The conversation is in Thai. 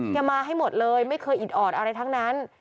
มาให้หมดเลยไม่เคยอิดออดอะไรทั้งนั้น